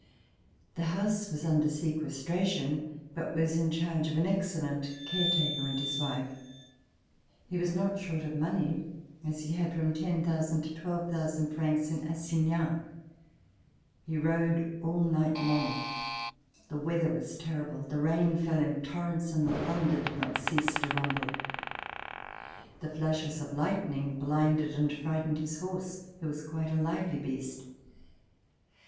The house was under sequestration but was in charge of an excellent care taker and his wife. He was not short of money as he had from 10,000 to 12,000 francs in assignats. He rode all night long. The weather was terrible. The rain fell in torrents and the thunder did not cease to rumble. The flashes of lightning blinded and frightened his horse who was quite a lively beast.